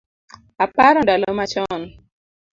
Aparo ndalo machon